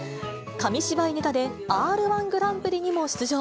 紙芝居ネタでＲー１グランプリにも出場。